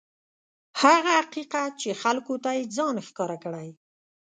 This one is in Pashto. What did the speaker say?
هغه حقیقت چې خلکو ته یې ځان ښکاره کړی.